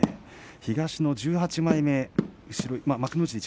東の１８枚目幕内